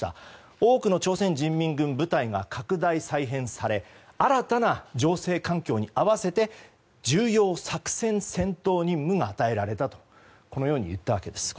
多くの朝鮮人民軍部隊が拡大・再編され新たな情勢環境に合わせて重要作戦戦闘任務が与えられたとこのように言ったわけです。